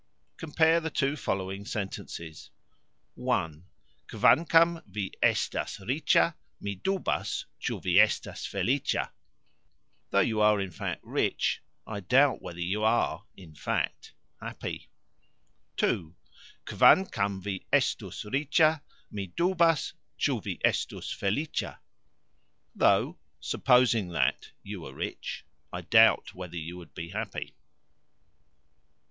Compare the two following sentences: (i.). "Kvankam vi estas ricxa, mi dubas, cxu vi estas felicxa", Though you are (in fact) rich, I doubt whether you are (in fact) happy, (ii.). "Kvankam vi estus ricxa, mi dubas, cxu, vi estus felicxa", Though (supposing that) you were rich, I doubt whether you would be happy.